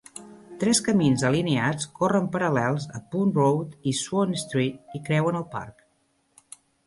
Tres camins alineats corren paral·lels a Punt Road i Swan Street, i creuen el parc.